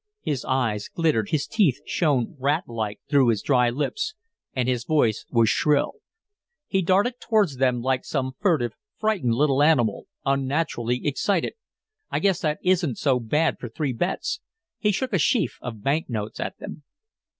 His eyes glittered, his teeth shone rat like through his dry lips, and his voice was shrill. He darted towards them like some furtive, frightened little animal, unnaturally excited. "I guess that isn't so bad for three bets!" He shook a sheaf of bank notes at them.